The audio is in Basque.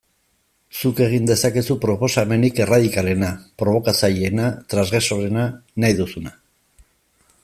Zuk egin dezakezu proposamenik erradikalena, probokatzaileena, transgresoreena, nahi duzuna...